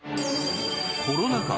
コロナ禍